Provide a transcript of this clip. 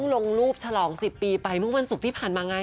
ลงรูปฉลอง๑๐ปีไปเมื่อวันศุกร์ที่ผ่านมาไง